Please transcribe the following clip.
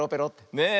ねえ。